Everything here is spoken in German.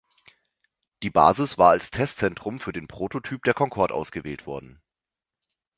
Die Basis war als Testzentrum für den Prototyp der Concorde ausgewählt worden.